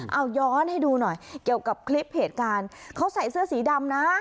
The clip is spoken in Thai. เอาย้อนให้ดูหน่อยเกี่ยวกับคลิปเหตุการณ์เขาใส่เสื้อสีดำนะ